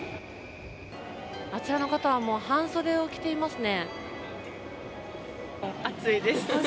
あちらの方は半袖を着ていますね。